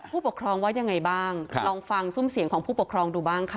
ผู้ปกครองว่ายังไงบ้างลองฟังซุ่มเสียงของผู้ปกครองดูบ้างค่ะ